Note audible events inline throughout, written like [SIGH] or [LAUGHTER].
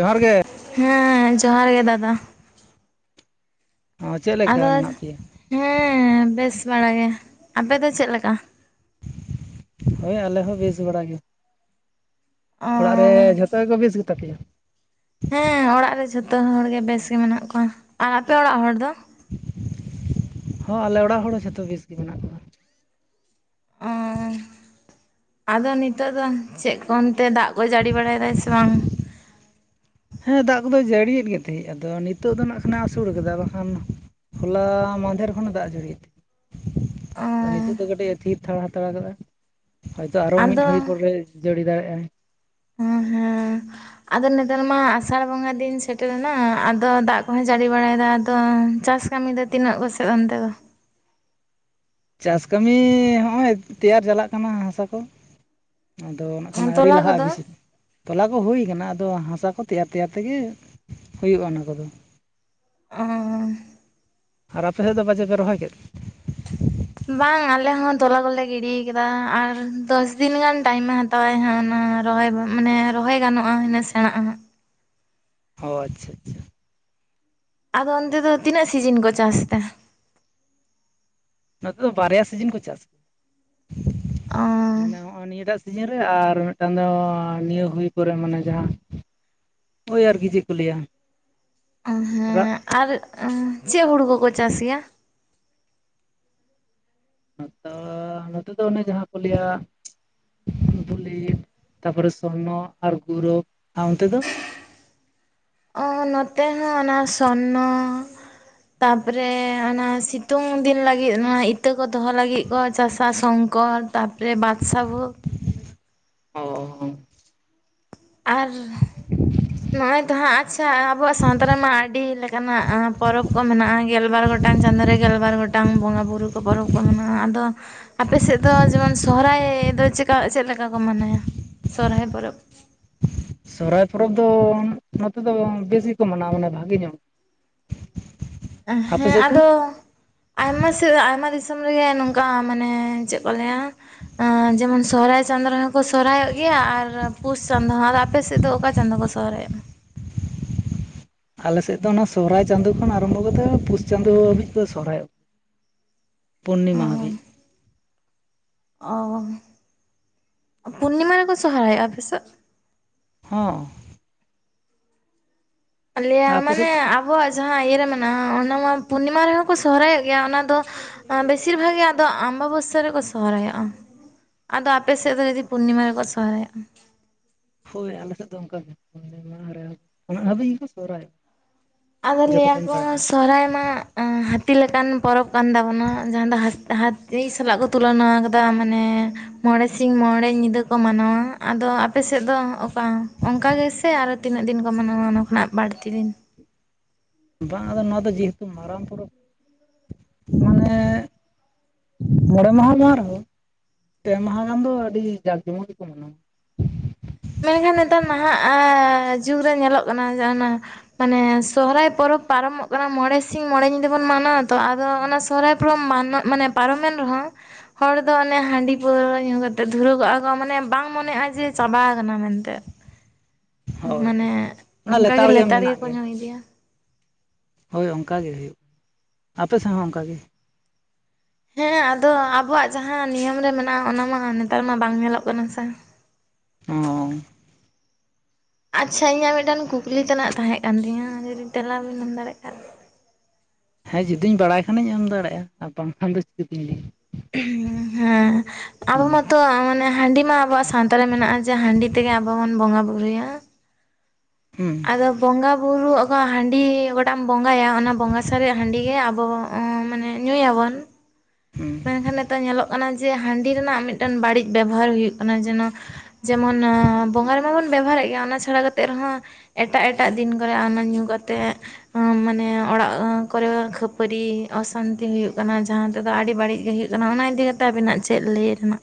ᱡᱚᱦᱟᱨ ᱜᱮ ᱦᱮᱸ ᱡᱚᱦᱟᱨ ᱜᱮ ᱫᱟᱫᱟ ᱦᱚᱸ ᱪᱮᱫ ᱞᱮᱠᱟ ᱟᱫᱚ ᱢᱮᱱᱟᱜ ᱯᱮᱭᱟ? ᱦᱮᱸ ᱵᱮᱥ ᱵᱟᱲ ᱜᱮ ᱟᱯᱮ ᱫᱚ ᱪᱮᱫ ᱞᱮᱠᱟ? ᱦᱳᱭ ᱟᱞᱮ ᱦᱚᱸ ᱵᱮᱥ ᱵᱟᱲᱟ ᱜᱮ᱾ ᱚ ᱚᱲᱟᱜ ᱨᱮ ᱡᱷᱚᱛᱚ ᱜᱮᱠᱚ ᱵᱮᱥ ᱜᱮᱛᱟᱯᱮᱭᱟ? ᱦᱮᱸ ᱚᱲᱟᱜ ᱨᱮ ᱡᱷᱚᱛᱚ ᱦᱚᱲ ᱜᱮ ᱵᱮᱥ ᱜᱮ ᱢᱮᱱᱟᱜ ᱠᱚᱣᱟ᱾ ᱟᱨ ᱟᱯᱮ ᱚᱲᱟᱜ ᱦᱚᱲ ᱫᱚ? ᱦᱚᱸ ᱟᱞᱮ ᱚᱲᱟᱜ ᱦᱚᱲ ᱦᱚᱸ ᱡᱷᱚᱛᱚ ᱵᱮᱥ ᱜᱮ ᱢᱮᱱᱟᱜ ᱠᱚᱣᱟ᱾ ᱚ [INAUDIBLE] ᱟᱫᱚ ᱱᱤᱛᱚᱜ ᱫᱚ ᱪᱮᱫ ᱠᱚ ᱚᱱᱛᱮ ᱫᱟᱜ ᱠᱚ ᱡᱟᱹᱲᱤ ᱵᱟᱲᱟᱭᱮᱫᱟᱭ ᱥᱮ ᱵᱟᱝ? ᱦᱮᱸ ᱫᱟᱜ ᱠᱚᱫᱚ ᱡᱟᱹᱲᱤᱭᱮᱫ ᱜᱮ ᱛᱟᱦᱮᱸᱫ ᱟᱫᱚ ᱱᱤᱛᱚᱜ ᱫᱚ ᱱᱟᱜ ᱠᱷᱟᱱ ᱟᱹᱥᱩᱲ ᱟᱠᱟᱫᱟ ᱟᱫᱚ ᱠᱷᱟᱱ᱾ ᱦᱚᱞᱟ ᱢᱟᱫᱷᱮᱨ ᱠᱷᱱᱟᱜ ᱫᱟᱜ ᱡᱟᱹᱲᱤ ᱛᱮ ᱚ ᱱᱤᱛᱳᱜ ᱫᱚ ᱠᱟᱹᱴᱤᱡ ᱛᱷᱤᱨ ᱛᱷᱟᱨ ᱦᱟᱛᱟᱲ ᱟᱠᱟᱫᱟ᱾ ᱦᱚᱭ ᱛᱚ ᱟᱨᱚ ᱢᱤᱫ ᱟᱫᱚ ᱜᱷᱟᱹᱲᱤᱡ ᱯᱚᱨᱮ ᱡᱟᱹᱲᱤ ᱫᱟᱜ ᱮᱜᱟᱭ᱾ ᱦᱩ ᱦᱩ ᱟᱫᱚ ᱱᱮᱛᱟᱨ ᱢᱟ ᱟᱥᱟᱲ ᱵᱚᱸᱜᱟ ᱫᱤᱱ ᱥᱮᱴᱮᱨ ᱮᱱᱟ ᱟᱫᱚ ᱫᱟᱜ ᱠᱚᱦᱚᱸ ᱡᱟᱹᱲᱤ ᱵᱟᱲᱟᱭ ᱮᱫᱟ ᱟᱫᱚ ᱪᱟᱥ ᱠᱟᱹᱢᱤ ᱫᱚ ᱛᱤᱱᱟᱹᱜ ᱠᱚᱥᱮᱜ ᱚᱱᱛᱮᱫᱚ? ᱪᱟᱥ ᱠᱟᱹᱢᱤ ᱦᱚᱸᱜ-ᱚᱭ ᱛᱮᱭᱟᱨ ᱪᱟᱞᱟᱜ ᱠᱟᱱᱟ ᱦᱟᱥᱟ ᱠᱚ᱾ ᱟᱫᱚ ᱱᱟᱜ ᱠᱷᱟᱱ ᱟᱹᱣᱨᱤ ᱛᱚᱞᱟ ᱞᱟᱦᱟᱜ-ᱟ ᱠᱚᱫᱚ ᱵᱤᱥᱤ ᱛᱚᱞᱟ ᱠᱚ ᱦᱩᱭ ᱠᱟᱱᱟ ᱟᱫᱚ ᱦᱟᱥᱟ ᱠᱚ ᱛᱮᱭᱟᱨ ᱛᱮᱭᱟᱨ ᱛᱮᱜᱮ ᱦᱩᱭᱩᱜ-ᱟ ᱚᱱᱟ ᱠᱚᱫᱚ᱾ ᱚᱸ ᱟᱨ ᱟᱯᱮ ᱥᱮᱫ ᱫᱚ ᱵᱟᱡᱮ ᱯᱮ ᱨᱚᱦᱚᱭ ᱠᱮᱫ? ᱵᱟᱝ ᱟᱞᱮ ᱦᱚᱸ ᱫᱚᱞᱟ ᱠᱚᱞᱮ ᱜᱤᱰᱤ ᱟᱠᱟᱫᱟ ᱟᱨ ᱫᱚᱥ ᱫᱤᱱ ᱜᱟᱱ ᱴᱟᱭᱤ ᱢᱮ ᱦᱟᱛᱟᱣ-ᱟ ᱛᱟᱭᱟ ᱦᱟᱸ ᱚᱱᱟ ᱨᱚᱦᱚᱭ ᱢᱟᱱᱮ ᱨᱚᱦᱚᱭ ᱜᱟᱱᱚᱜ-ᱟ ᱤᱱᱟᱹ ᱥᱮᱬᱟᱜ-ᱟ᱾ ᱚᱸ ᱟᱪᱪᱷᱟ ᱟᱪᱪᱷᱟ᱾ ᱟᱫᱚ ᱚᱱᱛᱮ ᱫᱚ ᱛᱤᱱᱟᱹᱜ ᱥᱤᱡᱤᱱ ᱠᱚ ᱪᱟᱥ ᱛᱮ? ᱱᱚᱛᱮ ᱫᱚ ᱵᱟᱨᱭᱟ ᱥᱤᱡᱤᱱ ᱠᱚ ᱪᱟᱥ [UNINTELLIGIBLE] ᱜᱮᱭᱟ ᱢᱟᱱᱮ ᱚ ᱱᱚᱜ-ᱚᱭ ᱱᱤᱭᱟᱹ ᱫᱟᱜ ᱥᱤᱡᱤᱱ ᱨᱮ ᱟᱨ ᱢᱤᱫᱴᱟᱝ ᱫᱚ ᱱᱤᱭᱟᱹ ᱦᱩᱭ ᱯᱚᱨᱮ ᱢᱟᱱᱮ ᱡᱟᱦᱟᱸ ᱳᱭ ᱟᱨᱠᱤ ᱪᱮᱫ ᱠᱚ ᱞᱟᱹᱭ-ᱟ᱾ ᱨᱟᱜ ᱦᱮᱸ ᱟᱨ ᱪᱮᱫ ᱦᱩᱲᱩ ᱠᱚᱠᱚ ᱪᱟᱥ ᱜᱮᱭᱟ? ᱱᱚᱛᱳᱻ ᱱᱚᱛᱮ ᱫᱚ ᱚᱱᱮ ᱡᱟᱦᱟᱸ ᱠᱚ ᱞᱟᱹᱭ-ᱟ ᱵᱚᱞᱤ ᱛᱟᱯᱚᱨᱮ ᱥᱚᱨᱱᱚ ᱟᱨ ᱜᱳᱨᱚᱵ᱾ ᱟᱨ ᱚᱱᱛᱮ ᱫᱚ? ᱱᱚᱛᱮ ᱦᱚᱸ ᱚᱱᱟ ᱥᱚᱨᱱᱚ᱾ ᱛᱟᱯᱚᱨᱮ ᱚᱱᱟ ᱥᱤᱛᱩᱝ ᱫᱤᱱ ᱞᱟᱹᱜᱤᱫ ᱚᱱᱟ ᱮᱛ ᱤᱛᱟᱹ ᱠᱚ ᱫᱚᱦᱚ ᱞᱟᱹᱜᱤᱫ ᱠᱚ ᱪᱟᱥᱟ ᱥᱚᱝᱠᱚᱨ ᱛᱟᱯᱚ ᱨᱮ ᱵᱟᱠᱥᱟᱵᱳ᱾ ᱦᱚ ᱟᱨ ᱱᱚᱜ-ᱭ ᱛᱚ ᱦᱟᱸᱜ ᱪᱷᱟ ᱟᱵᱚᱣᱟᱜ ᱥᱟᱶᱛᱟ ᱨᱮᱢᱟ ᱟᱹᱰᱤ ᱞᱮᱠᱟᱱᱟᱜ ᱯᱚᱨᱚᱵᱽ ᱠᱚ ᱢᱮᱱᱟᱜ-ᱟ ᱜᱮᱞᱵᱟᱨ ᱜᱚᱴᱟᱝ ᱪᱟᱸᱫᱳ ᱨᱮ ᱜᱮᱞ ᱵᱟᱨ ᱜᱚᱴᱟᱝ ᱴᱟᱝ ᱵᱚᱸᱜᱟ ᱵᱩᱨᱩ ᱠᱚ ᱯᱚᱨᱚᱵᱽ ᱠᱚ ᱢᱮᱱᱟᱜ-ᱟ ᱟᱫᱚ ᱟᱯᱮ ᱥᱮᱫ ᱫᱚ ᱡᱮᱢᱚᱱ ᱥᱚᱦᱨᱟᱭ ᱫᱚ ᱪᱮᱠᱟ ᱪᱮᱫ ᱞᱮᱠᱟ ᱠᱚ ᱢᱟᱱᱟᱭᱟ ᱥᱚᱨᱦᱟᱭ ᱯᱚᱨᱚᱵᱽ ᱥᱚᱨᱦᱟᱭ ᱯᱚᱨᱚᱵᱽ ᱫᱚ ᱱᱚᱛᱮ ᱫᱚ ᱵᱮᱥ ᱜᱮᱠᱚ ᱢᱟᱱᱟᱣᱟ ᱢᱟᱱᱮ ᱵᱷᱟᱜᱮ ᱧᱚᱜ ᱟᱯᱮ ᱦᱮᱸ ᱥᱮᱫ ᱫᱚ ᱟᱫᱚ ᱟᱭᱢᱟ ᱥᱮᱫ ᱟᱭᱢᱟ ᱫᱤᱥᱚᱢ ᱨᱮᱜᱮ ᱱᱚᱝᱠᱟ ᱢᱟᱱᱮ ᱪᱮᱫ ᱠᱚ ᱞᱟᱹᱭ ᱟ ᱡᱮᱢᱚᱱ ᱥᱚᱦᱨᱟᱭ ᱪᱟᱸᱫᱳ ᱨᱮᱦᱚᱸ ᱠᱚ ᱥᱚᱨᱦᱚᱭ ᱚᱜ ᱜᱮᱭᱟ ᱟᱨ ᱯᱩᱥ ᱪᱟᱸᱫᱳ ᱦᱚᱸ ᱟᱯᱮ ᱥᱮᱫ ᱫᱚ ᱚᱠᱟ ᱪᱟᱸᱫᱳ ᱠᱚ ᱥᱚᱦᱨᱟᱭᱚᱜ-ᱟ ᱟᱞᱮ ᱥᱮᱫ ᱫᱚ ᱚᱱᱟ ᱥᱚᱨᱚᱦᱟᱭ ᱪᱟᱸᱫᱳ ᱠᱷᱚᱱ ᱟᱨᱚᱢᱵᱚ ᱠᱟᱛᱮ ᱯᱩᱥ ᱪᱟᱸᱫᱳ ᱦᱚᱸ ᱦᱟᱹᱵᱤᱡ ᱠᱚ ᱥᱚᱨᱦᱟᱭ ᱭᱚᱜᱟ ᱯᱩᱱᱱᱤᱢᱟ ᱦᱟᱹᱵᱤᱡ ᱚᱦᱚ ᱯᱩᱱᱱᱤᱢᱟ ᱨᱮᱠᱚ ᱥᱚᱦᱨᱟᱭ ᱭᱚᱜ-ᱟ ᱟᱯᱮ ᱥᱮᱫ ᱦᱚᱸ ᱟᱞᱟᱹᱭ ᱟ ᱟᱯᱮ ᱢᱟᱱᱮ ᱥᱮᱫ ᱟᱵᱚᱣᱟᱜ ᱡᱟᱦᱟᱸ ᱤᱭᱟᱹ ᱨᱮ ᱢᱮᱱᱟᱜ-ᱟ ᱚᱱᱟ ᱢᱟ ᱯᱩᱱᱱᱤᱢᱟ ᱨᱮᱦᱚᱸ ᱠᱚ ᱥᱚᱦᱨᱟᱭᱚᱜ ᱜᱮᱭᱟ ᱚᱱᱟ ᱫᱚ ᱟᱸ ᱵᱮᱥᱤᱨ ᱵᱷᱟᱜᱽ ᱜᱮ ᱟᱫᱚ ᱟᱢᱵᱟ ᱵᱚᱥᱟᱹ ᱨᱮᱠᱚ ᱥᱚᱦᱨᱟᱭᱚᱜ-ᱟ ᱟᱫᱚ ᱟᱯᱮ ᱥᱮᱫ ᱫᱚ ᱡᱩᱫᱤ ᱯᱩᱱᱱᱤᱢᱟ ᱨᱮᱠᱚ ᱥᱚᱦᱚᱨᱟᱭ ᱭᱚᱜ-ᱟ ᱦᱳᱭ ᱟᱞᱮ ᱥᱮᱫ ᱫᱚ ᱚᱱᱠᱟ ᱯᱩᱱᱱᱤᱢᱟ ᱩᱱᱟᱹᱜ ᱦᱟᱹᱵᱤᱡ ᱜᱮ ᱠᱚ ᱥᱚᱦᱨᱟᱭᱚᱜ-ᱟ ᱟᱫᱚ ᱞᱟᱹᱭ ᱟᱠᱚ ᱥᱚᱦᱚᱨᱟᱭ ᱢᱟ ᱦᱟᱹᱛᱤ ᱞᱮᱠᱟᱱ ᱯᱚᱨᱚᱵᱽ ᱠᱟᱱ ᱛᱟᱵᱚᱱᱟ ᱡᱟᱦᱟᱸ ᱫᱚ ᱦᱟ ᱦᱟᱹᱛᱤ ᱥᱟᱞᱟᱜ ᱠᱚ ᱛᱩᱞᱚᱱᱟ ᱟᱠᱟᱫᱟ ᱢᱟᱱᱮ ᱢᱚᱬᱮ ᱥᱤᱧ ᱢᱚᱬᱮ ᱧᱤᱫᱟᱹ ᱠᱚ ᱢᱟᱱᱟᱣᱟ ᱟᱫᱚ ᱟᱯᱮ ᱥᱮᱫ ᱫᱚ ᱚᱠᱟ ᱚᱱᱠᱟ ᱜᱮ ᱥᱮ ᱟᱨ ᱛᱤᱱᱟᱹᱜ ᱫᱤᱱ ᱠᱚ ᱢᱟᱱᱟᱣᱟ ᱚᱱᱟ ᱠᱷᱚᱱᱟᱜ ᱵᱟᱹᱲᱛᱤ ᱫᱤᱱ ᱵᱟᱝ ᱟᱫᱚ ᱱᱚᱣᱟ ᱫᱚ ᱡᱮᱦᱮᱛᱩ ᱢᱟᱨᱟᱝ ᱯᱚᱨᱚᱵᱽ ᱢᱟᱱᱮ ᱢᱚᱬᱮ ᱢᱟᱦᱟ ᱢᱟ ᱵᱟᱝ ᱨᱦᱚᱸ ᱯᱮ ᱢᱟᱦᱟ ᱜᱟᱱ ᱫᱚ ᱟᱹᱰᱤ ᱡᱟᱠ ᱡᱮᱢᱚᱱ ᱜᱮᱠᱚ ᱢᱟᱱᱟᱣᱟ ᱢᱮᱱᱠᱷᱟᱱ ᱱᱮᱛᱟᱨ ᱱᱟᱦᱟᱜ ᱟᱻ ᱡᱩᱜᱽᱨᱮ ᱧᱮᱞᱚᱜ ᱠᱟᱱᱟ ᱡᱮ ᱚᱱᱟ ᱢᱟᱱᱮ ᱥᱚᱦᱨᱟᱭ ᱯᱚᱨᱚᱵᱽ ᱯᱟᱨᱚᱢᱚᱜ ᱠᱟᱱᱟ ᱢᱚᱬᱮ ᱥᱤᱧ ᱢᱚᱬᱮ ᱧᱤᱫᱟᱹ ᱵᱚᱱ ᱢᱟᱱᱟᱣᱟ ᱛᱚ ᱟᱫᱚ ᱚᱱᱟ ᱥᱚᱦᱨᱟᱭ ᱩᱯᱨᱢ ᱢᱟᱱᱟ ᱢᱟᱱᱮ ᱯᱟᱨᱚᱢᱮᱱ ᱨᱮᱦᱚᱸ ᱦᱚᱲ ᱫᱚ ᱦᱟᱱᱮ ᱦᱟᱺᱰᱤ ᱯᱟᱹᱣᱨᱟᱹ ᱧᱩ ᱠᱟᱛᱮᱫ ᱫᱷᱩᱨᱟᱹᱣ ᱠᱚᱜᱼᱟ ᱠᱚ ᱢᱟᱱᱮ ᱵᱟᱝ ᱢᱚᱱᱮᱜᱼᱟ ᱡᱮ ᱪᱟᱵᱟ ᱠᱟᱱᱟ ᱢᱮᱱᱛᱮ ᱦᱳᱭ ᱦᱳᱭ ᱢᱟᱱᱮ ᱚᱱᱟ ᱚᱱᱠᱟᱜᱮ ᱜᱮ ᱞᱮᱛᱟᱲ ᱢᱮᱱᱟᱜ ᱜᱮᱠᱚ ᱜᱮᱭᱟ ᱧᱩ ᱤᱫᱤᱭᱟ ᱦᱳᱭ ᱚᱱᱠᱟᱜᱮ ᱦᱩᱭᱩᱜ ᱟᱯᱮᱥᱮᱫ ᱦᱚᱸ ᱚᱱᱠᱟᱜᱮ ᱦᱮᱸ ᱟᱫᱚ ᱟᱵᱚᱣᱟᱜ ᱡᱟᱦᱟᱸ ᱱᱤᱭᱚᱢ ᱨᱮ ᱢᱮᱱᱟᱜᱼᱟ ᱚᱱᱟ ᱢᱟ ᱱᱮᱛᱟᱨ ᱢᱟ ᱵᱟᱝ ᱧᱮᱞᱚᱜ ᱠᱟᱱᱟ ᱥᱮ ᱚᱸᱻ ᱟᱪᱪᱷᱟ ᱤᱧᱟᱹᱜ ᱢᱤᱫᱴᱟᱝ ᱠᱩᱠᱞᱤ ᱛᱮᱱᱟᱜ ᱛᱟᱦᱮᱜ ᱠᱟᱱ ᱛᱤᱧᱟᱹ ᱡᱩᱫᱤ ᱛᱮᱞᱟ ᱵᱮᱱ ᱮᱢᱟᱢ ᱫᱟᱲᱮ ᱠᱷᱟᱱ ᱦᱮᱸ ᱡᱩᱫᱤᱧ ᱵᱟᱲᱟᱭ ᱠᱷᱟᱱᱤᱧ ᱮᱢ ᱫᱟᱲᱮᱭᱟᱜ-ᱟ ᱟᱨ ᱵᱟᱝ ᱠᱷᱟᱱ ᱫᱚ ᱪᱤᱠᱟᱹᱛᱤᱧ ᱞᱟᱹᱭ ᱟ ᱦᱮᱸ ᱟᱵᱚ ᱢᱟᱛᱚ ᱢᱟᱱᱮ ᱦᱟᱺᱰᱤ ᱢᱟ ᱟᱵᱚᱣᱟᱜ ᱥᱟᱶᱛᱮ ᱢᱮᱱᱟᱜᱼᱟ ᱡᱮ ᱦᱟᱺᱰᱤ ᱛᱮᱜᱮ ᱟᱵᱚ ᱵᱚᱱ ᱵᱚᱸᱜᱟ ᱵᱩᱨᱩᱭᱟ ᱦᱩᱸ ᱟᱫᱚ ᱵᱚᱸᱜᱟ ᱵᱩᱨᱩ ᱚᱠᱟ ᱦᱟᱺᱰᱤ ᱚᱠᱟᱴᱟᱜ ᱮᱢ ᱵᱚᱸᱜᱟᱭᱟ ᱚᱱᱟ ᱵᱚᱸᱜᱟ ᱥᱟᱨᱮᱡ ᱦᱟᱺᱰᱤ ᱜᱮ ᱟᱵᱚ ᱚᱸᱻ ᱢᱟᱱᱮ ᱧᱩᱭᱟᱵᱚᱱ ᱦᱩᱸ ᱢᱮᱱᱠᱷᱟᱱ ᱱᱤᱛᱚᱜ ᱧᱮᱞᱚᱜ ᱠᱟᱱᱟ ᱡᱮ ᱦᱟᱺᱰᱤ ᱨᱮᱱᱟᱜ ᱢᱤᱫᱴᱮᱱ ᱵᱟᱹᱲᱤᱡ ᱵᱮᱵᱚᱦᱟᱨ ᱦᱩᱭᱩᱜ ᱠᱟᱱᱟ ᱡᱮᱱᱚ ᱡᱮᱢᱚᱱ ᱵᱚᱸᱜᱟ ᱨᱮᱢᱟ ᱵᱚᱱ ᱵᱮᱵᱚᱦᱟᱨᱮᱫ ᱜᱮ ᱚᱱᱟ ᱪᱷᱟᱲᱟ ᱠᱟᱛᱮᱜ ᱨᱮᱦᱚᱸ ᱮᱴᱟᱜᱼᱮᱴᱟᱜ ᱫᱤᱱ ᱠᱚᱨᱮ ᱚᱱᱟ ᱧᱩ ᱠᱟᱛᱮᱫ ᱢᱟᱱᱮ ᱚᱲᱟᱜ ᱠᱚᱨᱮ ᱠᱷᱟᱹᱯᱟᱹᱨᱤ ᱚᱥᱟᱱᱛᱤ ᱦᱩᱭᱩᱜ ᱠᱟᱱᱟ ᱡᱟᱦᱟᱸ ᱛᱮᱫᱚ ᱟᱹᱰᱤ ᱵᱟᱹᱲᱤᱡ ᱜᱮ ᱦᱩᱭᱩᱜ ᱠᱟᱱᱟ ᱚᱱᱟ ᱤᱫᱤ ᱠᱟᱛᱮ ᱟᱵᱤᱱᱟᱜ ᱪᱮᱫ ᱞᱟᱹᱭ ᱨᱮᱱᱟᱜ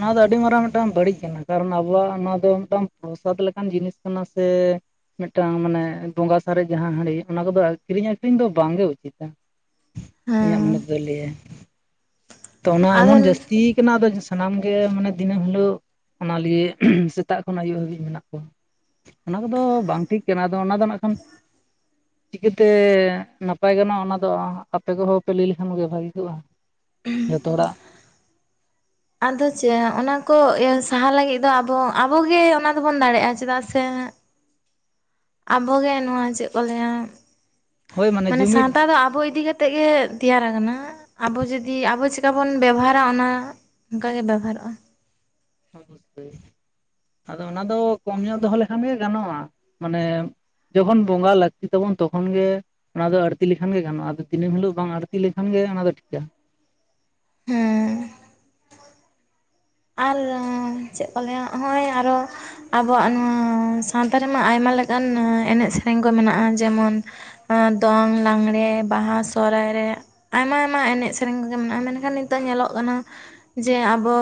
ᱱᱚᱣᱟ ᱫᱚ ᱟᱹᱰᱤ ᱢᱟᱨᱟᱝ ᱢᱤᱫᱴᱟᱝ ᱵᱟᱹᱲᱤᱡ ᱠᱟᱱᱟ ᱠᱟᱨᱚᱱ ᱟᱵᱚᱣᱟᱜ ᱱᱚᱣᱟ ᱫᱚ ᱢᱤᱫᱴᱟᱝ ᱯᱨᱚᱥᱟᱫ ᱞᱮᱠᱟᱱ ᱡᱤᱱᱤᱥ ᱠᱟᱱᱟ ᱥᱮ ᱢᱤᱫᱴᱟᱝ ᱢᱟᱱᱮ ᱵᱚᱸᱜᱟ ᱥᱟᱨᱮᱡ ᱡᱟᱦᱟᱸ ᱦᱟᱺᱰᱤ ᱚᱱᱟ ᱠᱚᱫᱚ ᱠᱤᱨᱤᱧ ᱟᱠᱷᱨᱤᱧ ᱫᱚ ᱵᱟᱝᱜᱮ ᱩᱪᱤᱛᱟ ᱤᱧᱟᱹᱜ ᱢᱚᱱᱮ ᱦᱮᱸ ᱛᱮᱫᱚᱭ ᱞᱟᱹᱭᱟ ᱛᱚ ᱚᱱᱟ ᱟᱫᱚ ᱮᱢᱚᱱ ᱡᱟᱹᱥᱛᱤ ᱠᱟᱱᱟ ᱟᱫᱚ ᱥᱟᱱᱟᱢ ᱜᱮ ᱢᱟᱱᱮ ᱫᱤᱱᱟᱹᱢ ᱦᱤᱞᱳᱜ ᱚᱱᱟ ᱞᱤᱭᱮ ᱥᱮᱛᱟᱜ ᱠᱷᱚᱱ ᱟᱭᱭᱩᱵ ᱦᱟᱹᱵᱤᱡ ᱢᱮᱱᱟᱜ ᱠᱚᱣᱟ ᱚᱱᱟ ᱠᱚᱫᱚ ᱵᱟᱝ ᱴᱷᱤᱠ ᱠᱟᱱᱟ ᱟᱫᱚ ᱚᱱᱟ ᱫᱚ ᱱᱟᱜ ᱠᱷᱟᱱ ᱪᱤᱠᱟᱹᱛᱮ ᱱᱟᱯᱟᱭ ᱜᱟᱱᱚᱜᱼᱟ ᱚᱱᱟᱫᱚ ᱟᱯᱮ ᱠᱚᱦᱚᱸ ᱯᱮ ᱞᱟᱹᱭ ᱞᱮᱠᱷᱟᱱ ᱜᱮ‌ ᱵᱷᱟᱹᱜᱮ ᱠᱚᱜᱼᱟ ᱡᱚᱛᱚ ᱦᱚᱲᱟᱜ ᱟᱫᱚ ᱪᱮᱫ ᱚᱱᱟ ᱠᱚ ᱤᱭᱟᱹ ᱥᱟᱦᱟ ᱞᱟᱹᱜᱤᱫ ᱫᱚ ᱟᱵᱚ ᱟᱵᱚᱜᱮ ᱚᱱᱟ ᱫᱚᱵᱚᱱ ᱫᱟᱲᱮᱭᱟᱜᱼᱟ ᱪᱮᱫᱟᱜ ᱥᱮ ᱟᱵᱚᱜᱮ ᱱᱚᱣᱟ ᱪᱮᱫ ᱠᱚ ᱞᱟᱹᱭᱟ ᱦᱳᱭ ᱢᱟᱱᱮ ᱡᱩᱢᱤᱫ ᱥᱟᱶᱛᱟ ᱫᱚ ᱟᱵᱚ ᱤᱫᱤ ᱠᱟᱛᱮ ᱠᱟᱛᱮᱫ ᱜᱮ ᱛᱮᱭᱟᱨᱟ ᱠᱟᱱᱟ ᱟᱵᱚ ᱡᱩᱫᱤ ᱟᱵᱚ ᱪᱮᱠᱟ ᱵᱚᱱ ᱵᱮᱵᱟᱨᱟ ᱚᱱᱟ ᱚᱱᱠᱟ ᱜᱮ ᱵᱮᱵᱚᱦᱟᱨᱚᱜᱼᱟ [UNINTELLIGIBLE] ᱟᱫᱚ ᱚᱱᱟ ᱫᱚ ᱠᱚᱢ ᱧᱚᱜ ᱫᱚᱦᱚ ᱞᱮᱠᱷᱟᱱ ᱜᱮ ᱜᱟᱱᱚᱜᱼᱟ ᱢᱟᱱᱮ ᱡᱚᱠᱷᱚᱱ ᱵᱚᱸᱜᱟ ᱞᱟᱹᱠᱛᱤ ᱛᱟᱵᱚᱱ ᱛᱚᱠᱷᱚᱱ ᱜᱮ ᱚᱱᱟ ᱫᱚ ᱟᱲᱛᱤ ᱞᱮᱠᱷᱟᱱ ᱜᱮ ᱜᱟᱱᱚᱜ-ᱟ ᱟᱫᱚ ᱫᱤᱱᱟᱹᱢ ᱦᱤᱞᱳᱜ ᱵᱟᱝ ᱟᱹᱲᱛᱤ ᱞᱮᱠᱷᱟᱱ ᱜᱮ ᱚᱱᱟ ᱫᱚ ᱴᱷᱤᱠᱟ ᱦᱮᱸ ᱟᱨ ᱪᱮᱫ ᱠᱚ ᱞᱟᱹᱭᱟ ᱦᱚᱜ-ᱚᱭ ᱟᱨᱚ ᱟᱵᱚᱣᱟᱜ ᱱᱚᱣᱟ ᱥᱟᱶᱛᱟ ᱨᱮᱢᱟ ᱟᱭᱢᱟ ᱞᱮᱠᱟᱱ ᱮᱱᱮᱡ ᱥᱮᱨᱮᱧ ᱠᱚ ᱢᱮᱱᱟᱜ-ᱟ ᱡᱮᱢᱚᱱ ᱫᱚᱝ ᱞᱟᱜᱽᱬᱮ ᱵᱟᱦᱟ ᱥᱚᱦᱨᱟᱭ ᱨᱮ ᱟᱭᱢᱟ ᱟᱭᱢᱟ ᱮᱱᱮᱡ ᱥᱮᱨᱮᱧ ᱠᱚᱜᱮ ᱢᱮᱱᱟᱜ-ᱟ ᱢᱮᱱᱠᱷᱟᱱ ᱱᱤᱛᱚᱜ ᱧᱮᱞᱚᱜ ᱠᱟᱱᱟ ᱡᱮ ᱟᱵᱚ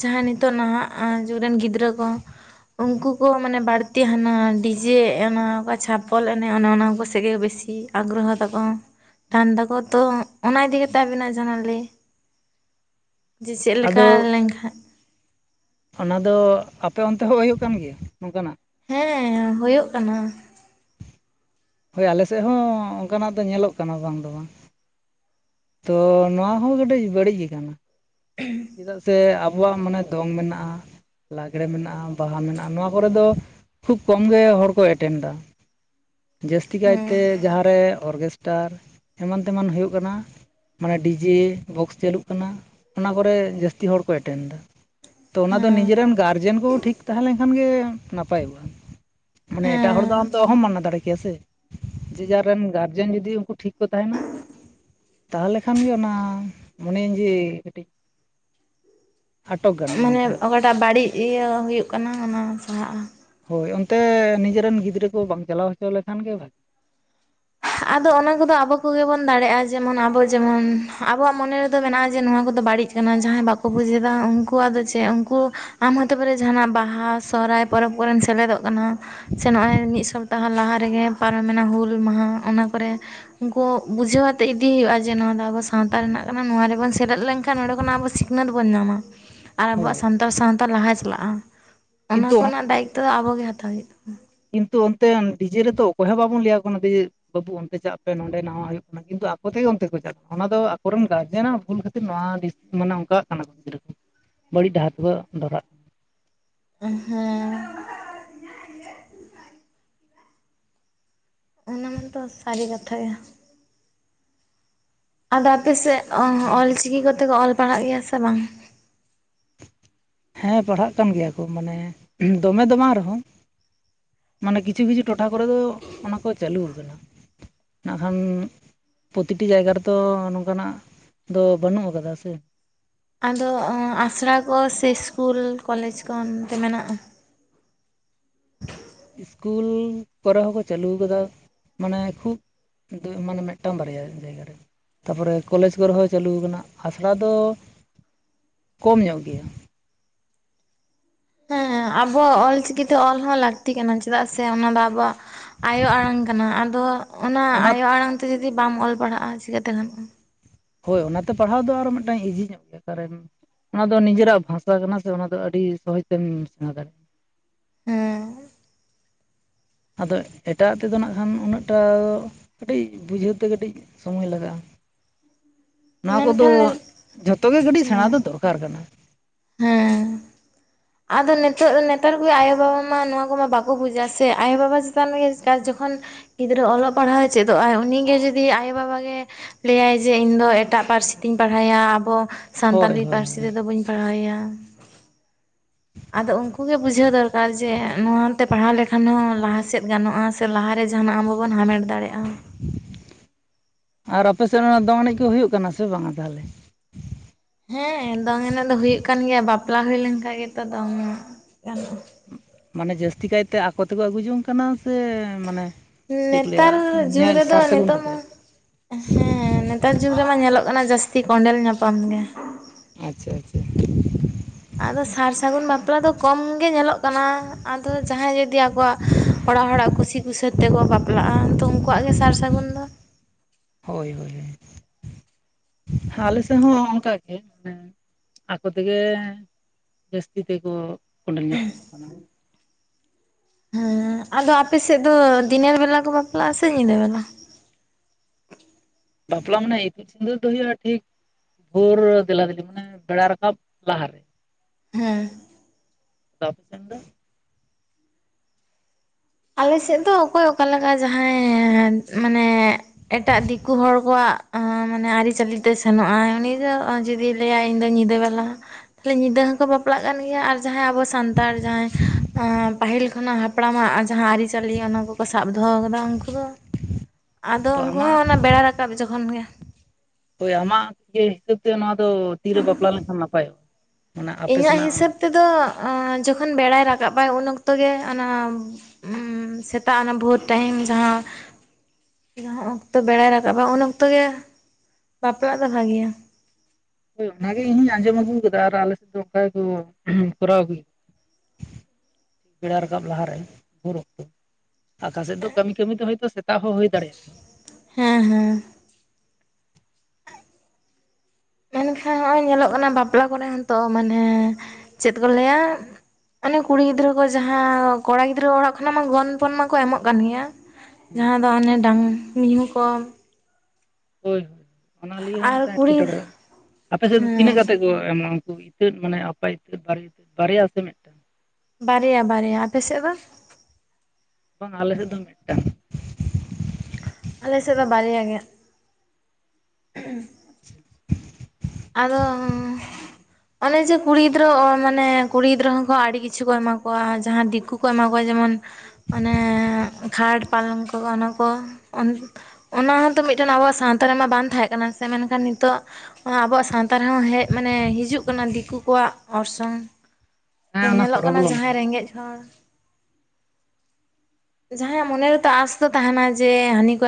ᱡᱟᱦᱟᱸᱭ ᱱᱤᱛᱚᱜ ᱱᱟᱦᱟᱜ ᱡᱩᱜᱽ ᱨᱮᱱ ᱜᱤᱫᱽᱨᱟᱹ ᱠᱚ ᱩᱱᱠᱩ ᱠᱚ ᱢᱟᱱᱮ ᱵᱟᱹᱲᱛᱤ ᱦᱟᱱᱟ ᱰᱤᱡᱮ ᱮᱱᱮᱡ ᱚᱠᱟ ᱪᱷᱟᱯᱚᱞ ᱮᱱᱮᱡ ᱚᱱᱮ ᱚᱱᱟ ᱠᱚ ᱥᱮᱫ ᱜᱮ ᱵᱮᱥᱤ ᱟᱜᱽᱨᱚᱦᱚ ᱛᱟᱠᱚ ᱛᱟᱦᱮᱱ ᱛᱟᱠᱚᱣᱟ ᱛᱚ ᱚᱱᱟ ᱤᱫᱤ ᱠᱟᱛᱮ ᱟᱵᱤᱱᱟᱜ ᱡᱟᱦᱱᱟᱜ ᱞᱮᱭ ᱡᱮ ᱪᱮᱫ ᱞᱮᱠᱟ ᱟᱫᱚ ᱞᱮᱱ ᱚᱱᱟ ᱫᱚ ᱟᱯᱮ ᱚᱱᱛᱮ ᱦᱚᱸ ᱦᱩᱭᱩᱜ ᱠᱟᱱ ᱜᱮᱭᱟ ᱱᱚᱝᱠᱟᱱᱟᱜ ᱦᱮᱸ ᱦᱩᱭᱩᱜ ᱠᱟᱱᱟ ᱦᱳᱭ ᱟᱞᱮᱥᱮᱫ ᱦᱚᱸ ᱚᱱᱠᱟᱱᱟᱜ ᱫᱚ ᱧᱮᱞᱚᱜ ᱠᱟᱱᱟ ᱵᱟᱝ ᱫᱚ ᱵᱟᱝ ᱛᱚ ᱱᱚᱣᱟ ᱦᱚᱸ ᱠᱟᱹᱴᱤᱡ ᱵᱟᱹᱲᱤᱡ ᱜᱮ ᱠᱟᱱᱟ ᱪᱮᱫᱟᱜ ᱥᱮ ᱟᱵᱚᱣᱟᱜ ᱢᱟᱱᱮ ᱫᱚᱝ ᱢᱮᱱᱟᱜ-ᱟ ᱞᱟᱜᱽᱲᱮ ᱢᱮᱱᱟᱜ-ᱟ ᱵᱟᱦᱟ ᱢᱮᱱᱟᱜ-ᱟ ᱱᱚᱣᱟ ᱠᱚᱨᱮ ᱫᱚ ᱠᱷᱩᱵ ᱠᱚᱢᱜᱮ ᱦᱚᱲᱠᱚ ᱮᱴᱮᱱᱫᱟ ᱡᱟᱹᱥᱛᱤ ᱦᱮᱸ ᱠᱟᱭᱛᱮ ᱡᱟᱦᱟᱸ ᱨᱮ ᱚᱨᱜᱮᱥᱴᱟᱨ ᱮᱢᱟᱱ ᱛᱮᱢᱟᱱ ᱦᱩᱭᱩᱜ ᱠᱟᱱᱟ ᱢᱟᱱᱮ ᱰᱤᱡᱮ ᱵᱚᱠᱥ ᱪᱟᱹᱞᱩᱜ ᱠᱟᱱᱟ ᱚᱱᱟ ᱠᱚᱨᱮ ᱡᱟᱹᱥᱛᱤ ᱦᱚᱲ ᱠᱚ ᱮᱴᱮᱱ ᱮᱫᱟ ᱛᱚ ᱚᱱᱟ ᱫᱚ ᱦᱮᱸ ᱱᱤᱡᱮ ᱨᱮᱱ ᱜᱟᱨᱡᱮᱱ ᱠᱚ ᱴᱷᱤᱠ ᱛᱟᱦᱮ ᱞᱮᱱᱠᱷᱟᱱ ᱜᱮ ᱱᱟᱯᱟᱭᱚᱜ-ᱟ᱾ ᱢᱟᱱᱮ ᱮᱴᱟᱜ ᱦᱮᱸ ᱦᱚᱲ ᱫᱚ ᱟᱢ ᱫᱚ ᱚᱦᱚᱢ ᱢᱟᱱᱟ ᱫᱟᱲᱮ ᱠᱮᱭᱟ ᱥᱮ ᱡᱮᱡᱟᱨ ᱨᱮᱱ ᱜᱟᱨᱡᱮᱱ ᱡᱚᱫᱤ ᱩᱱᱠᱩ ᱴᱷᱤᱠ ᱠᱚ ᱛᱟᱦᱮᱱᱟ ᱛᱟᱦᱚᱞᱮ ᱠᱷᱟᱱ ᱜᱮ ᱚᱱᱟ ᱢᱚᱱᱮᱭᱟᱹᱧ ᱡᱮ ᱠᱟᱹᱴᱤᱡ ᱟᱴᱚᱠ ᱜᱟᱱᱚᱜᱼᱟ ᱢᱟᱱᱮ ᱚᱱᱠᱟᱱᱟᱜ ᱚᱠᱟᱴᱟᱜ ᱵᱟᱹᱲᱤᱡ ᱤᱭᱟᱹ ᱦᱩᱭᱩᱜ ᱠᱟᱱᱟ ᱚᱱᱟ ᱥᱟᱦᱟᱜ-ᱟ ᱦᱳᱭ ᱚᱱᱛᱮ ᱱᱤᱡᱮ ᱨᱮᱱ ᱜᱤᱫᱽᱨᱟᱹ ᱠᱚ ᱵᱟᱝ ᱪᱟᱞᱟᱣ ᱦᱚᱪᱚ ᱞᱮᱠᱷᱟᱱ ᱜᱮ ᱵᱷᱟᱜᱤ ᱟᱫᱚ ᱚᱱᱟ ᱠᱚᱫᱚ ᱟᱵᱚ ᱠᱚᱜᱮ ᱵᱚᱱ ᱫᱟᱲᱮᱭᱟᱜ-ᱟ ᱡᱮᱢᱚᱱ ᱟᱵᱚ ᱡᱮᱢᱚᱱ ᱟᱵᱚᱣᱟᱜ ᱢᱚᱱᱮ ᱨᱮᱫᱚ ᱢᱮᱱᱟᱜ-ᱟ ᱡᱮ ᱱᱚᱣᱟ ᱠᱚᱫᱚ ᱵᱟᱹᱲᱤᱡ ᱮᱱᱟᱝ ᱡᱟᱦᱟᱸᱭ ᱵᱟᱠᱚ ᱵᱩᱡ ᱮᱫᱟ ᱩᱱᱠᱩᱣᱟᱜ ᱫᱚ ᱪᱮᱫ ᱩᱱᱠᱩ ᱟᱢ ᱦᱚᱛᱚ ᱵᱟᱨᱮ ᱡᱟᱦᱟᱱᱟᱜ ᱵᱟᱦᱟ ᱥᱚᱦᱦᱟᱭ ᱯᱚᱨᱮ ᱯᱚᱨᱮᱢ ᱥᱮᱞᱮᱫᱚᱜ ᱠᱟᱱᱟ ᱥᱮ ᱱᱚᱜ-ᱚᱭ ᱢᱤᱫ ᱥᱚᱵᱛᱟᱦᱚ ᱞᱟᱦᱟ ᱨᱮᱜᱮ ᱯᱟᱨᱚᱢᱮᱱᱟ ᱦᱩᱞ ᱢᱟᱦᱟ ᱚᱱᱟ ᱠᱚᱨᱮ ᱩᱱᱠᱩ ᱵᱩᱡᱷᱟᱹᱣ ᱟᱛᱮ ᱤᱫᱤ ᱦᱩᱭᱩᱜ-ᱟ ᱡᱮ ᱱᱚᱣᱟ ᱫᱚ ᱟᱵᱚ ᱥᱟᱶᱛᱟ ᱨᱮᱱᱟᱜ ᱠᱟᱱᱟ ᱱᱚᱣᱟ ᱨᱮᱵᱚᱱ ᱥᱮᱞᱮᱫ ᱞᱮᱱᱠᱷᱟᱱ ᱱᱚᱸᱰᱮ ᱠᱷᱚᱱᱟᱜ ᱟᱵᱚ ᱥᱮ ᱟᱱᱟ ᱫᱚᱵᱚᱱ ᱧᱟᱢᱟ [INAUDIBLE] ᱟ ᱟᱵᱚᱣᱟᱜ ᱥᱟᱱᱛᱟᱲ ᱥᱟᱶᱛᱟ ᱞᱟᱦᱟ ᱪᱟᱞᱟᱜ-ᱟ ᱚᱱᱟ ᱠᱤᱱᱛᱩ ᱠᱚᱱᱟᱜ ᱫᱟᱭᱤᱛᱛᱚ ᱫᱚ ᱟᱵᱚᱜ ᱜᱮ ᱦᱟᱛᱟᱣ ᱦᱩᱭᱩᱜ ᱛᱟᱵᱚᱱᱟ ᱠᱤᱱᱛᱩ ᱚᱱᱛᱮ ᱰᱤᱡᱮ ᱨᱮᱛᱚ ᱚᱠᱚᱭ ᱦᱚᱸ ᱵᱟᱵᱚᱱ ᱞᱟᱹᱭᱟ ᱠᱟᱱᱟ ᱡᱮ ᱵᱟᱹᱵᱩ ᱚᱱᱛᱮ ᱪᱟᱜ ᱯᱮ ᱱᱚᱰᱮ ᱱᱟᱣᱟ ᱦᱩᱭᱩᱜ ᱠᱟᱱᱟ ᱠᱤᱱᱛᱩ ᱟᱠᱚ ᱛᱮᱜᱮ ᱚᱱᱛᱮ ᱠᱚ ᱪᱟᱜ ᱚᱱᱟ ᱫᱚ ᱟᱠᱚᱨᱮᱱ ᱜᱟᱨᱡᱮᱱᱟᱜ ᱵᱷᱩᱞ ᱠᱷᱟᱹᱛᱤᱨ ᱱᱚᱣᱟ [UNINTELLIGIBLE] ᱢᱟᱱᱮ ᱚᱱᱠᱟᱜ ᱠᱟᱱᱟ ᱜᱤᱫᱽᱨᱟᱹ ᱠᱚ ᱵᱟᱹᱲᱤᱡ ᱰᱟᱦᱟᱨ ᱛᱮᱠᱚ ᱰᱟᱦᱟᱨᱟᱜ ᱦᱮᱸ ᱚᱱᱟ ᱢᱟᱛᱚ ᱥᱟᱹᱨᱤ ᱠᱟᱛᱷᱟ ᱜᱮ ᱟᱫᱚ ᱟᱯᱮ ᱥᱮᱫ ᱚᱞ ᱪᱤᱠᱤ ᱠᱚᱛᱮ ᱠᱚ ᱚᱞ ᱯᱟᱲᱦᱟᱜ ᱜᱮᱭᱟ ᱥᱮ ᱵᱟᱝ ᱦᱮᱸ ᱯᱟᱲᱦᱟᱜ ᱠᱟᱱ ᱜᱮᱭᱟ ᱠᱚ ᱢᱟᱱᱮ ᱫᱚᱢᱮ ᱫᱚ ᱵᱟᱝ ᱨᱮᱦᱚᱸ ᱢᱟᱱᱮ ᱠᱤᱪᱷᱩ ᱠᱤᱪᱷᱩ ᱴᱚᱴᱷᱟ ᱠᱚᱨᱮ ᱫᱚ ᱚᱱᱟ ᱠᱚ ᱪᱟᱹᱞᱩ ᱠᱟᱱᱟ ᱱᱟᱠᱷᱟᱱ ᱯᱨᱚᱛᱤᱴᱤ ᱡᱟᱭᱜᱟ ᱨᱮᱫᱚ ᱱᱚᱝᱠᱟᱱᱟᱜ ᱫᱚ ᱵᱟᱹᱱᱩᱜ ᱟᱠᱟᱫᱟ ᱥᱮ ᱟᱫᱚ ᱟᱥᱲᱟ ᱠᱚ ᱥᱮ ᱤᱥᱠᱤᱞ ᱠᱚᱞᱮᱡᱽ ᱠᱚ ᱚᱱᱛᱮ ᱢᱮᱱᱟᱜ-ᱟ ᱤᱥᱠᱩᱞ ᱠᱚᱨᱮ ᱦᱚᱸᱠᱚ ᱪᱟᱹᱞᱩ ᱠᱟᱫᱟ ᱢᱟᱱᱮ ᱠᱷᱩᱵ ᱢᱟᱱᱮ ᱢᱤᱫᱴᱟᱝ ᱵᱟᱨᱭᱟ ᱡᱟᱭᱜᱟ ᱨᱮ ᱛᱟᱯᱚᱨᱮ ᱠᱚᱞᱮᱡᱽ ᱠᱚᱨᱮ ᱦᱚᱸ ᱪᱟᱹᱞᱩ ᱟᱠᱟᱱᱟ ᱟᱥᱲᱟ ᱫᱚ ᱠᱚᱢ ᱧᱚᱜ ᱜᱮᱭᱟ᱾ ᱦᱮᱸ ᱟᱵᱚᱣᱟᱜ ᱚᱞᱪᱤᱠᱤ ᱛᱮ ᱚᱞ ᱦᱚᱸ ᱞᱟᱹᱠᱛᱤ ᱠᱟᱱᱟ ᱪᱮᱫᱟᱜ ᱥᱮ ᱚᱱᱟ ᱫᱚ ᱟᱵᱚᱣᱟᱜ ᱟᱭᱳ ᱟᱲᱟᱝ ᱠᱟᱱᱟ, ᱟᱫᱚ ᱚᱱᱟ ᱟᱭᱳ ᱟᱲᱟᱝ ᱛᱮ ᱡᱩᱫᱤ ᱵᱟᱢ ᱚᱞ ᱯᱟᱲᱦᱟᱜᱼᱟ ᱪᱤᱠᱟᱹᱛᱮ ᱜᱟᱱᱚᱜᱼᱟ᱾ ᱦᱳᱭ ᱚᱱᱟᱛᱮ ᱯᱟᱲᱦᱟᱣ ᱫᱚ ᱟᱨ ᱢᱤᱫᱴᱟᱝ ᱤᱡᱤ ᱧᱚᱜ ᱜᱮᱭᱟ ᱠᱟᱨᱚᱱ ᱚᱱᱟ ᱫᱚ ᱱᱤᱡᱮᱨᱟᱜ ᱵᱷᱟᱥᱟ ᱠᱟᱱᱟ ᱥᱮ ᱚᱱᱟ ᱫᱚ ᱟᱹᱰᱤ ᱥᱚᱦᱚᱡᱽ ᱛᱮᱢ ᱥᱮᱬᱟ ᱫᱟᱲᱮᱭᱟᱜᱼᱟ᱾ ᱦᱮᱸ ᱟᱫᱚ ᱮᱴᱟᱜ ᱟᱜ ᱛᱮᱫᱚ ᱱᱟᱜ ᱠᱷᱟᱱ ᱩᱱᱟᱹᱜ ᱴᱟ ᱠᱟᱹᱴᱤᱡ ᱵᱩᱡᱷᱟᱹᱣ ᱛᱮ ᱠᱟᱹᱴᱤᱡ ᱥᱚᱢᱚᱭ ᱞᱟᱜᱟᱜᱼᱟ ᱱᱚᱣᱟ ᱠᱚᱫᱚ ᱢᱮᱱᱠᱷᱟᱱ ᱦᱮᱸ ᱡᱷᱚᱛᱚ ᱜᱮ ᱠᱟᱹᱴᱤᱡ ᱥᱮᱬᱟ ᱫᱚ ᱫᱚᱨᱠᱟᱨ ᱠᱟᱱᱟ᱾ ᱦᱮᱸ ᱟᱫᱚ ᱱᱤᱛᱚᱜ ᱱᱮᱛᱟᱨ ᱠᱚ ᱟᱭᱳᱵᱟᱵᱟ ᱢᱟ ᱱᱚᱣᱟ ᱠᱚᱢᱟ ᱵᱟᱠᱚ ᱵᱩᱡᱟ ᱥᱮ ᱟᱭᱳᱼᱵᱟᱵᱟ ᱪᱮᱛᱟᱱ ᱜᱮ ᱡᱚᱠᱷᱚᱱ ᱜᱤᱫᱽᱨᱟᱹ ᱚᱞᱚᱜ ᱯᱟᱲᱦᱟᱣᱮ ᱪᱮᱫᱚᱜᱼ ᱟᱭ ᱩᱱᱤᱜ ᱜᱮ ᱡᱩᱫᱤ ᱟᱭᱳ ᱵᱟᱵᱟ ᱜᱮ ᱞᱟᱹᱭᱟᱭ ᱡᱮ ᱤᱧᱫᱚ ᱮᱴᱟᱜ ᱯᱟᱹᱨᱥᱤ ᱛᱤᱧ ᱯᱟᱲᱦᱟᱣ ᱮᱭᱟ ᱟᱵᱚ ᱦᱳᱭ ᱥᱟᱱᱛᱟᱞᱤ ᱦᱳᱭ ᱯᱟᱹᱨᱥᱤ ᱦᱳᱭ ᱛᱮᱫᱚ ᱵᱟᱹᱧ ᱯᱟᱲᱦᱟᱣ ᱮᱭᱟ ᱟᱫᱚ ᱩᱱᱠᱩ ᱜᱮ ᱵᱩᱡᱷᱟᱹᱣ ᱫᱚᱨᱠᱟᱨ ᱡᱮ ᱱᱚᱣᱟᱛᱮ ᱯᱟᱲᱦᱟᱣ ᱞᱮᱠᱷᱟᱱ ᱦᱚᱸ ᱞᱟᱦᱟ ᱥᱮᱫ ᱜᱟᱱᱚᱜᱼᱟ ᱥᱮ ᱞᱟᱦᱟᱨᱮ ᱡᱟᱦᱟᱱᱟᱜ ᱟᱵᱚᱵᱚᱱ ᱦᱟᱢᱮᱴ ᱫᱟᱲᱮᱭᱟᱜᱼᱟ ᱟᱨ ᱟᱯᱮ ᱥᱮᱫ ᱨᱮᱱᱟᱜ ᱫᱚᱝ ᱮᱱᱮᱡ ᱠᱚ ᱦᱩᱭᱩᱜ ᱠᱟᱱᱟ ᱥᱮ ᱵᱟᱝᱟ ᱛᱟᱦᱞᱮ ᱦᱮᱸ ᱫᱚᱝ ᱮᱱᱮᱡ ᱫᱚ ᱦᱩᱭᱩᱜ ᱠᱟᱱ ᱜᱮᱭᱟ ᱵᱟᱯᱞᱟ ᱦᱩᱭ ᱞᱮᱱᱠᱷᱟᱱ ᱜᱮᱛᱚ ᱫᱚᱝ ᱜᱟᱱᱚᱜᱼᱟ ᱢᱟᱱᱮ ᱡᱟᱹᱥᱛᱤ ᱠᱟᱭᱛᱮ ᱟᱠᱚ ᱛᱮᱠᱚ ᱟᱹᱜᱩ ᱡᱚᱝ ᱠᱟᱱᱟ ᱥᱮ ᱢᱟᱱᱮ ᱪᱮᱫ ᱠᱚ ᱱᱮᱛᱟᱨ ᱞᱟᱹᱭᱟ ᱡᱩᱜᱽ ᱧᱮᱞ ᱨᱮᱫᱚ ᱥᱟᱨ ᱥᱟᱹᱜᱩᱱ ᱱᱤᱛᱚᱜ ᱢᱟ ᱠᱟᱛᱮᱫ? ᱦᱮᱸ ᱱᱮᱛᱟᱨ ᱡᱩᱜᱽ ᱨᱮᱢᱟ ᱧᱮᱞᱚᱜ ᱠᱟᱱᱟ ᱡᱟᱹᱥᱛᱤ ᱠᱚᱸᱰᱮᱞ ᱧᱟᱯᱟᱢ ᱜᱮ ᱟᱪᱪᱷᱟ ᱟᱪᱪᱷᱟ ᱟᱫᱚ ᱥᱟᱨ ᱥᱟᱹᱜᱩᱱ ᱵᱟᱯᱞᱟ ᱫᱚ ᱠᱚᱢ ᱜᱮ ᱧᱮᱞᱚᱜ ᱠᱟᱱᱟ ᱟᱫᱚ ᱡᱟᱦᱟᱸᱭ ᱡᱩᱫᱤ ᱟᱠᱚᱣᱟᱜ ᱚᱲᱟᱜ ᱦᱚᱲᱟᱜ ᱠᱩᱥᱤ ᱠᱩᱥᱟᱹᱛ ᱛᱮᱠᱚ ᱵᱟᱯᱞᱟᱜᱼᱟ ᱛᱚ ᱩᱱᱠᱩᱣᱟᱜ ᱜᱮ ᱥᱟᱨ ᱥᱟᱹᱜᱩᱱ ᱫᱚ ᱦᱳᱭ ᱦᱳᱭ ᱦᱳᱭ ᱟᱞᱮ ᱥᱮᱫ ᱦᱚᱸ ᱚᱱᱠᱟᱜᱮ ᱢᱟᱱᱮ ᱟᱠᱚ ᱛᱮᱜᱮ ᱡᱟᱹᱥᱛᱤ ᱛᱮᱠᱚ ᱠᱚᱸᱰᱮᱞ ᱧᱟᱯᱟᱢᱚᱜ ᱠᱟᱱᱟ ᱦᱮᱸ ᱟᱫᱚ ᱟᱯᱮᱥᱮᱫ ᱫᱚ ᱫᱤᱱᱮᱨ ᱵᱮᱞᱟ ᱠᱚ ᱵᱟᱯᱞᱟᱜᱼᱟ ᱥᱮ ᱧᱤᱫᱟᱹ ᱵᱮᱞᱟ ᱵᱟᱯᱞᱟ ᱢᱟᱱᱮ ᱤᱛᱩᱫ ᱥᱤᱸᱫᱩᱨ ᱫᱚ ᱦᱩᱭᱩᱜᱼᱟ ᱴᱷᱤᱠ ᱵᱷᱳᱨ ᱫᱮᱞᱟ ᱫᱮᱞᱤ ᱢᱟᱱᱮ ᱵᱮᱲᱟ ᱨᱟᱠᱟᱵ ᱞᱟᱦᱟᱨᱮ ᱦᱮᱸ ᱟᱫᱚ ᱟᱯᱮ ᱥᱮᱱ ᱫᱚ ᱟᱞᱮᱥᱮᱫ ᱫᱚ ᱚᱠᱚᱭ ᱚᱠᱟ ᱞᱮᱠᱟ ᱡᱟᱦᱟᱸᱭ ᱢᱟᱱᱮ ᱮᱴᱟᱜ ᱫᱤᱠᱩ ᱦᱚᱲ ᱠᱚᱣᱟᱜ ᱢᱟᱱᱮ ᱟᱹᱨᱤᱪᱟᱞᱤ ᱛᱮ ᱥᱮᱱᱚᱜᱼᱟᱭ ᱩᱱᱤ ᱫᱚ ᱡᱩᱫᱤ ᱞᱟᱹᱭᱟ ᱤᱧ ᱫᱚ ᱧᱤᱫᱟᱹ ᱵᱮᱞᱟ ᱛᱟᱦᱞᱮ ᱧᱤᱫᱟᱹ ᱦᱚᱸᱠᱚ ᱵᱟᱯᱞᱟᱜ ᱠᱟᱱ ᱜᱮᱭᱟ ᱟᱨ ᱡᱟᱦᱟᱸᱭ ᱟᱵᱚ ᱥᱟᱱᱛᱟᱲ ᱡᱟᱦᱟᱸᱭ ᱯᱟᱹᱦᱤᱞ ᱠᱷᱚᱱᱟᱜ ᱦᱟᱯᱲᱟᱢ ᱟᱜ ᱡᱟᱦᱟᱸ ᱟᱹᱨᱤ ᱪᱟᱹᱞᱤ ᱚᱱᱟ ᱠᱚᱠᱚ ᱥᱟᱵ ᱫᱚᱦᱚ ᱠᱟᱫᱟ ᱩᱱᱠᱩ ᱫᱚ ᱟᱫᱚ ᱛᱚ ᱩᱱᱠᱩ ᱦᱚᱸ ᱟᱢᱟᱜ ᱚᱱᱟ ᱵᱮᱲᱟ ᱨᱟᱠᱟᱵ ᱨᱟᱠᱟᱵ ᱡᱚᱠᱷᱚᱱ ᱜᱮ ᱦᱳᱭ ᱟᱢᱟᱜ ᱤᱭᱟᱹ ᱦᱤᱥᱟᱹᱵ ᱛᱮ ᱱᱚᱣᱟ ᱫᱚ ᱛᱤᱨᱮ ᱵᱟᱯᱞᱟ ᱞᱮᱱᱠᱷᱟᱱ ᱱᱟᱯᱟᱭᱚᱜᱼᱟ ᱢᱟᱱᱮ ᱟᱯᱮ ᱤᱧᱟᱹᱜ ᱥᱮᱱᱟᱜ ᱦᱤᱥᱟᱹᱵ ᱛᱮᱫᱚ ᱡᱚᱠᱷᱚᱱ ᱵᱮᱲᱟᱭ ᱨᱟᱠᱟᱵᱟ ᱩᱱ ᱚᱠᱛᱚ ᱜᱮ ᱚᱱᱟ ᱥᱮᱛᱟᱜ ᱚᱱᱟ ᱵᱷᱳᱨ ᱴᱟᱭᱤᱢ ᱡᱟᱦᱟᱸ ᱡᱟᱦᱟᱸ ᱚᱠᱛᱚ ᱵᱮᱲᱟᱭ ᱨᱟᱠᱟᱵᱟ ᱩᱱ ᱚᱠᱛᱚ ᱜᱮ ᱵᱟᱯᱞᱟᱜ ᱫᱚ ᱵᱷᱟᱜᱮᱭᱟ ᱦᱳᱭ ᱚᱱᱟᱜᱮ ᱤᱧᱦᱩᱧ ᱟᱸᱡᱚᱢ ᱟᱹᱜᱩ ᱠᱟᱫᱟ ᱟᱨ ᱟᱞᱮᱥᱮᱫ ᱫᱚ ᱚᱱᱠᱟ ᱜᱮᱠᱚ ᱠᱚᱨᱟᱣ ᱟᱹᱜᱩᱭ ᱵᱮᱲᱟ ᱨᱟᱠᱟᱵ ᱞᱟᱦᱟᱨᱮ ᱵᱷᱳᱨ ᱚᱠᱛᱚ ᱟᱠᱟᱥᱮᱫ ᱫᱚ ᱠᱟᱹᱢᱤ ᱠᱟᱹᱢᱤ ᱫᱚ ᱦᱭᱛᱳ ᱥᱮᱛᱟᱜ ᱦᱚᱸ ᱦᱩᱭ ᱫᱟᱲᱮᱭᱟᱜ-ᱟ᱾ ᱦᱮᱸ ᱦᱮᱸ ᱢᱮᱱᱠᱷᱟᱱ ᱦᱚᱸᱜᱼᱚᱭ ᱧᱮᱞᱚᱜ ᱠᱟᱱᱟ ᱵᱟᱯᱞᱟ ᱠᱚᱨᱮ ᱦᱚᱸᱛᱚ ᱢᱟᱱᱮ ᱪᱮᱫ ᱠᱚ ᱞᱟᱹᱭᱟ ᱚᱱᱮ ᱠᱩᱲᱤ ᱜᱤᱫᱽᱨᱟᱹ ᱠᱚ ᱡᱟᱦᱟᱸ ᱠᱚᱲᱟ ᱜᱤᱫᱽᱨᱟᱹ ᱚᱲᱟᱜ ᱠᱷᱚᱱᱟᱜ ᱢᱟ ᱜᱚᱱᱯᱚᱱ ᱢᱟᱠᱚ ᱮᱢᱚᱜ ᱠᱟᱱ ᱜᱮᱭᱟ ᱦᱩᱸ ᱡᱟᱦᱟᱸ ᱫᱚ ᱚᱱᱮ ᱰᱟᱝᱨᱤ ᱢᱤᱦᱩ ᱠᱚ ᱦᱳᱭ ᱦᱳᱭ ᱚᱱᱟ ᱞᱤᱭᱮ ᱦᱚᱸ ᱟᱨ ᱢᱤᱫᱴᱟᱝ ᱠᱩᱲᱤ ᱮᱴᱠᱮᱴᱚᱬᱮ ᱟᱯᱮ ᱥᱮᱫ ᱫᱚ ᱦᱮᱸ ᱛᱤᱱᱟᱹᱜ ᱠᱟᱛᱮ ᱮᱢ ᱩᱱᱠᱩ ᱤᱛᱟᱹᱫ ᱢᱟᱱᱮ ᱟᱯᱟ ᱤᱛᱟᱹᱫ ᱵᱟᱨᱮ ᱤᱛᱟᱹᱫ ᱵᱟᱨᱭᱟ ᱥᱮ ᱢᱤᱫᱴᱟᱝ ᱵᱟᱨᱭᱟ ᱵᱟᱨᱭᱟ ᱟᱯᱮ ᱥᱮᱫ ᱫᱚ ᱵᱟᱝ ᱟᱞᱮᱥᱮᱫ ᱫᱚ ᱢᱤᱫᱴᱟᱝ᱾ ᱟᱞᱮᱥᱮᱫ ᱫᱚ ᱵᱟᱨᱭᱟ ᱜᱮ᱾ [INAUDIBLE] ᱟᱫᱚᱻ ᱚᱱᱮ ᱡᱮ ᱠᱩᱲᱤ ᱜᱤᱫᱽᱨᱟᱹ ᱢᱟᱱᱮ ᱠᱩᱲᱤ ᱜᱤᱫᱽᱨᱟᱹ ᱦᱚᱸ ᱟᱹᱰᱤ ᱠᱤᱪᱷᱩ ᱠᱚ ᱮᱢᱟ ᱠᱚᱣᱟ ᱡᱟᱦᱟᱸ ᱫᱤᱠᱩ ᱠᱚ ᱮᱢᱟ ᱠᱚᱣᱟ ᱡᱮᱢᱚᱱ ᱚᱱᱮ ᱠᱷᱟᱴ ᱯᱟᱞᱚᱝᱠᱚ ᱚᱱᱟ ᱠᱚ, ᱚᱱᱟ ᱦᱚᱸᱛᱚ ᱢᱤᱫᱴᱮᱱ ᱟᱵᱚᱣᱟᱜ ᱥᱟᱶᱛᱟ ᱨᱮᱢᱟ ᱵᱟᱝ ᱛᱟᱦᱮᱸ ᱠᱟᱱᱟ ᱥᱮ ᱢᱮᱱᱠᱷᱟᱱ ᱱᱤᱛᱚᱜ ᱟᱵᱚᱣᱟᱜ ᱥᱟᱶᱛᱟ ᱨᱮᱦᱚᱸ ᱦᱮᱡ ᱢᱟᱱᱮ ᱦᱤᱡᱩᱜ ᱠᱟᱱᱟ ᱫᱤᱠᱩ ᱠᱚᱣᱟᱜ ᱚᱨᱥᱚᱝ᱾ ᱦᱮᱸ ᱚᱱᱟ ᱧᱮᱞᱚᱜ ᱥᱚᱲᱚ ᱠᱟᱱᱟ ᱜᱚᱞᱚᱝ ᱡᱟᱦᱟᱸᱭ ᱨᱮᱸᱜᱮᱡ ᱦᱚᱲ᱾ ᱡᱟᱦᱟᱸᱭᱟᱜ ᱢᱚᱱᱮ ᱨᱮᱛᱚ ᱟᱸᱥ ᱛᱚ ᱛᱟᱦᱮᱱᱟ ᱡᱮ ᱦᱟᱹᱱᱤ ᱠᱚ,